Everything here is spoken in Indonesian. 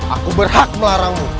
aku berhak melarangmu